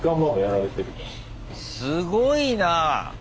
すごいな！